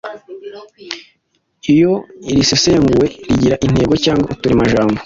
Iyo risesenguwe rigira intego cyangwa uturemajambo